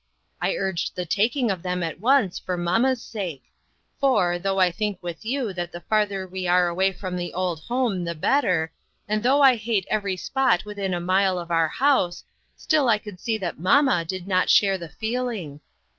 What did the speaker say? I urged the taking of them at once, for mamma's sake; for, though I think with you that the farther we are away from the old home, the better, and though I hate every spot within a mile of our house, still I could see that mamma did not share the feeling.